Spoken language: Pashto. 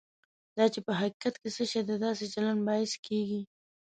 دا چې په حقیقت کې څه شی د داسې چلند باعث کېږي.